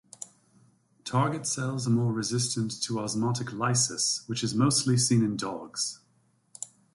Target cells are more resistant to osmotic lysis, which is mostly seen in dogs.